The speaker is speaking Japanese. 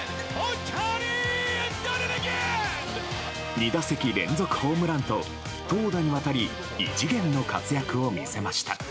２打席連続ホームランと投打にわたり異次元の活躍を見せました。